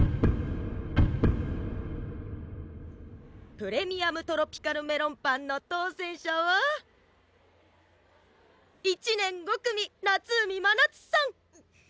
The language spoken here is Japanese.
「プレミアムトロピカルメロンパン」の当選者は１年５組夏海まなつさん！